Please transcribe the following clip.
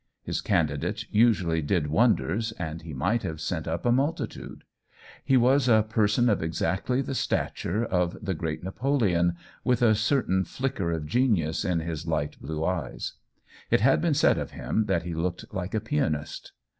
His candidates usually did wonders, and he might have sent up a multitude. He was a person of exactly the stature of the great 150 OWEN WINGRAVE Napoleon, with a certain flicker of genius in his light blue eye t it had been said of him that he looked like a pianist.